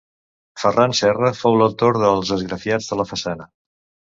Ferran Serra fou l'autor dels esgrafiats de la façana.